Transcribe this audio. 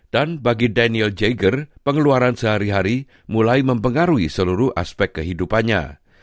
dan bagi daniel jaeger pengeluaran sehari hari mulai mempengaruhi seluruh aspek kehidupannya